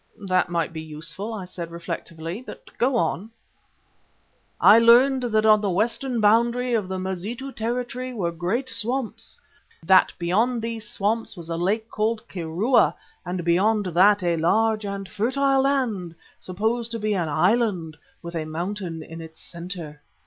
"That might be useful," I said, reflectively, "but go on." "I learned that on the western boundary of the Mazitu territory were great swamps; that beyond these swamps was a lake called Kirua, and beyond that a large and fertile land supposed to be an island, with a mountain in its centre.